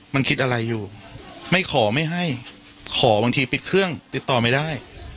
มันคิดอะไรอยู่ไม่ขอไม่ให้ขอบางทีปิดเครื่องติดต่อไม่ได้